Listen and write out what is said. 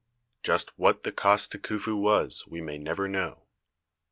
Just what the cost to Khuf u was we may never know.